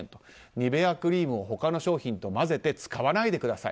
ニベアクリームを他の商品と混ぜて使わないでください。